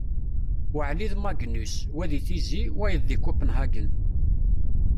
Waɛli d Magnus, wa di Tizi, wayeḍ di Conpenhagen